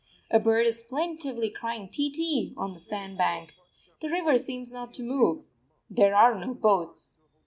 A bird is plaintively crying tee tee on the sand bank. The river seems not to move. There are no boats.